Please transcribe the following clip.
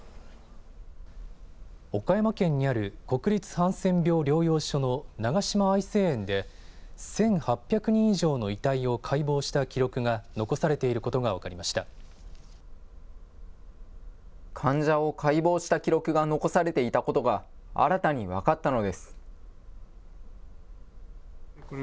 岡山県にある国立ハンセン病療養所の長島愛生園で、１８００人以上の遺体を解剖した記録が残されていることが分かり患者を解剖した記録が残されていたことが、新たに分かったのです。